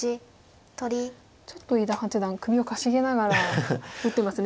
ちょっと伊田八段首をかしげながら打ってますね。